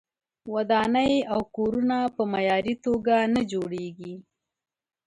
ودانۍ او کورونه په معیاري توګه نه جوړیږي.